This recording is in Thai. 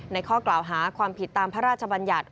ข้อกล่าวหาความผิดตามพระราชบัญญัติ